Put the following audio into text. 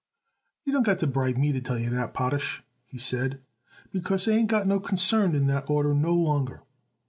"You don't got to bribe me to tell you that, Potash," he said, "because I ain't got no concern in that order no longer.